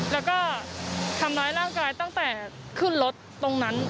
แล้วก็ทำร้ายร่างกายตั้งแต่ขึ้นรถตรงนั้น